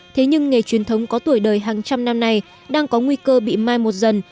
thế nhưng nghề truyền thống có tuổi đời hàng trăm năm nay đang có nguy cơ bị mai một dần